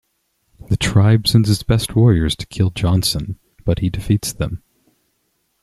The tribe sends its best warriors to kill Johnson, but he defeats them.